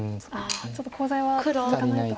ちょっとコウ材は続かないと。